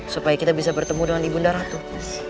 supaya kita bisa bertemu dengan ibu ndara tuh